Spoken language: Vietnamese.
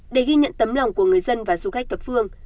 để ghi nhận tấm lòng của người dân và du khách thập phương